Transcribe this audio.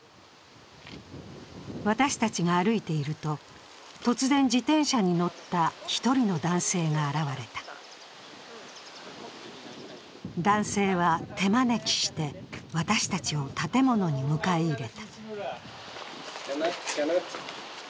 私たちが歩いていると、突然、自動車に乗った１人の男性が現れた男性は手招きして私たちを建物に迎え入れた。